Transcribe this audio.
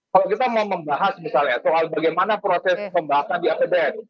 kalau kita mau membahas misalnya soal bagaimana proses pembahasan di apbn